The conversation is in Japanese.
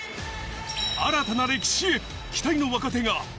新たな歴史期待の若手が。